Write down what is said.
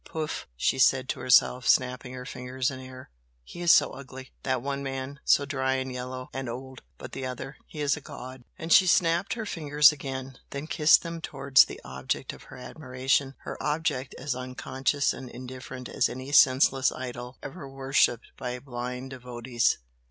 "Poof!" she said to herself, snapping her fingers in air "He is so ugly! that one man so dry and yellow and old! But the other he is a god!" And she snapped her fingers again, then kissed them towards the object of her adoration, an object as unconscious and indifferent as any senseless idol ever worshipped by blind devotees.